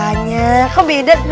biasanya kan kering tampan gitu